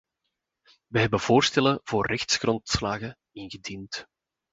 We hebben voorstellen voor rechtsgrondslagen ingediend.